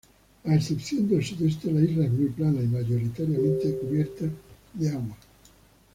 A excepción del sudeste, la isla es muy plana y mayoritariamente cubierta de agua.